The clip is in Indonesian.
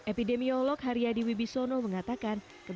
epidemiolog haryadi wibisono mengatakan